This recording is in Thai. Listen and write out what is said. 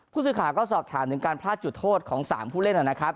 ผู้สื่อข่าวก็สอบถามถึงการพลาดจุดโทษของ๓ผู้เล่นนะครับ